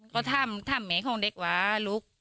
ก็ถามแม่ของเด็กว่าลูก